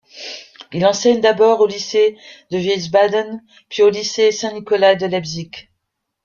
Il enseigne d'abord au lycée de Wiesbaden puis au lycée Saint-Nicolas de Leipzig.